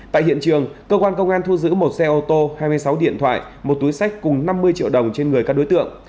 tại hiện trường cơ quan công an thu giữ một xe ô tô hai mươi sáu điện thoại một túi sách cùng năm mươi triệu đồng trên người các đối tượng